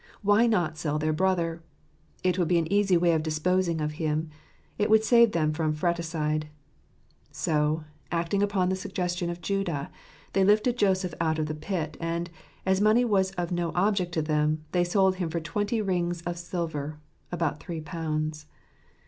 Why not sell their brother ? It would be an easy way of disposing of him. It would save them from fratricide. So, acting upon the suggestion of Judah, they lifted Joseph out of the pit, and, as money was no object to them, they sold him for twenty rings of silver — about three pounds.